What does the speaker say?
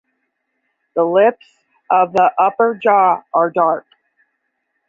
The lips of the upper jaw are dark.